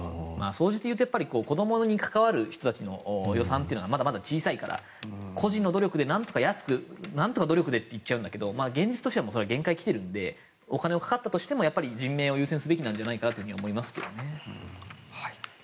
総じていうと子どもに関わる人たちの予算はまだまだ小さいから個人の努力でなんとか安くなんとか努力でって言っちゃうんだけど現実としては限界が来てるのでお金がかかったとしても人命を優先すべきじゃないかなと思いますけどね。